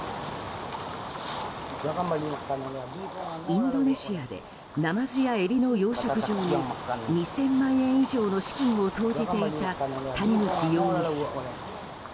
インドネシアでナマズやエビの養殖場を２０００万円以上の資金を投じていた谷口容疑者。